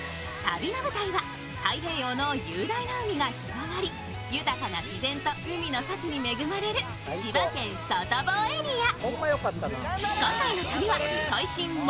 旅の舞台は太平洋の雄大な海が広がり豊かな自然と海の幸に恵まれる、千葉県外房エリア。